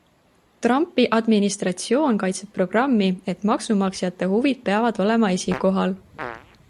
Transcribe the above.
Trumpi administratsioon kaitseb programmi, et maksumaksjate huvid peavad olema esikohal.